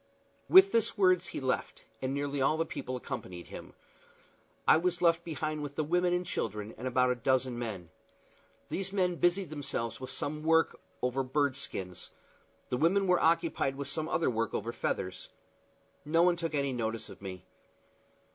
With these words he left, and nearly all the people accompanied him. I was left behind with the women and children and about a dozen men. These men busied themselves with some work over bird skins; the women were occupied with some other work over feathers. No one took any notice of me.